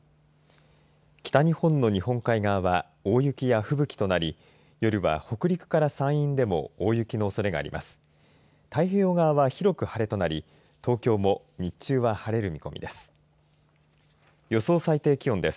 北日本の日本海側は大雪や吹雪となり夜は北陸から山陰でも大雪のおそれがあります。